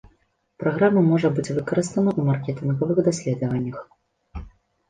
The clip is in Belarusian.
Праграма можа быць выкарыстана ў маркетынгавых даследаваннях.